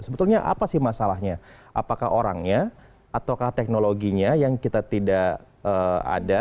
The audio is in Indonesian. sebetulnya apa sih masalahnya apakah orangnya ataukah teknologinya yang kita tidak ada